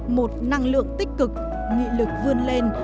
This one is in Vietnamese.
một năng lượng tích cực nghị lực vươn lên